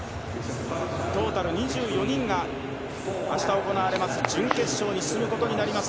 トータル２４人が明日、行われます準決勝に進むことになります。